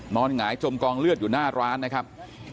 หงายจมกองเลือดอยู่หน้าร้านนะครับ